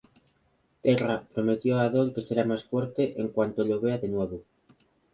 Terra prometió a Adol que será más fuerte en cuanto lo vea de nuevo.